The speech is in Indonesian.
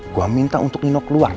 gue minta untuk nino keluar